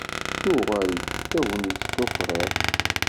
Tuɣal d tegnit d tukriḍt.